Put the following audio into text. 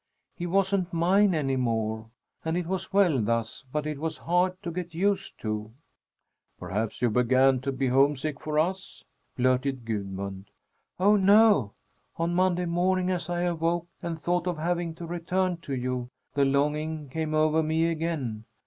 He wasn't mine any more. And it was well thus, but it was hard to get used to." "Perhaps you began to be homesick for us?" blurted Gudmund. "Oh, no! On Monday morning, as I awoke and thought of having to return to you, the longing came over me again.